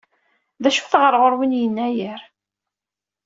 D acu-t ɣer ɣur-wen Yennayer?